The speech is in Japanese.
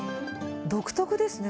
独特ですね。